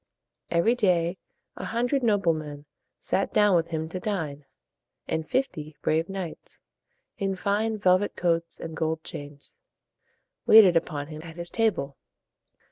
Every day a hundred noble men sat down with him to dine; and fifty brave knights, in fine velvet coats and gold chains, waited upon him at his table.